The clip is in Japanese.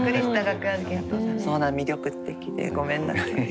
そんな魅力的でごめんなさい。